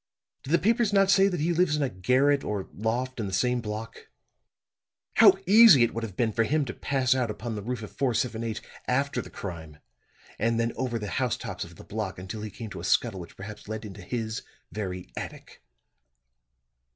Do the papers not say that he lives in a garret, or loft, in the same block? How easy it would have been for him to pass out upon the roof of 478 after the crime and then over the housetops of the block until he came to a scuttle which perhaps led into his very attic?"